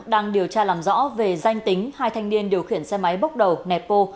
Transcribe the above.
đang điều tra làm rõ về danh tính hai thanh niên điều khiển xe máy bốc đầu netpo